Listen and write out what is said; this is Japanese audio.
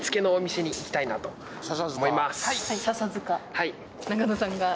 はい。